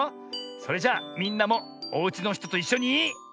それじゃみんなもおうちのひとといっしょに。